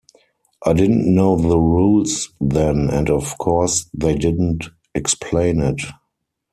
I didn't know the rules then, and of course they didn't explain it.